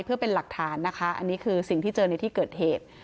เพื่อเป็นหลักฐานนะคะอันนี้คือสิ่งที่เจอในที่เกิดเหตุ